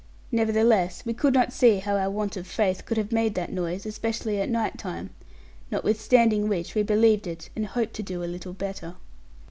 Nevertheless we could not see how our want of faith could have made that noise, especially at night time, notwithstanding which we believed it, and hoped to do a little better.